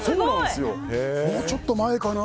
もうちょっと前かな。